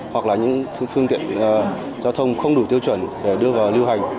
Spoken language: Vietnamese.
hoặc là những phương tiện giao thông không đủ tiêu chuẩn để đưa vào lưu hành